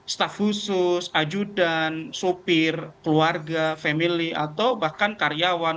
staf khusus ajudan sopir keluarga family atau bahkan karyawan